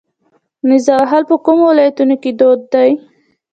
نیزه وهل په کومو ولایتونو کې دود دي؟